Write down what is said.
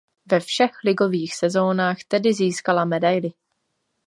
Ve všech ligových sezónách tedy získala medaili.